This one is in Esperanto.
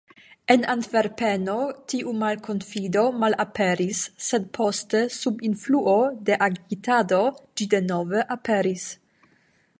En Antverpeno, tiu malkonfido malaperis, sed poste, sub influo de agitado, ĝi denove aperis.